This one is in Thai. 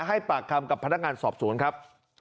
ให้ปากคำกับพนักงานสอบสวนครับ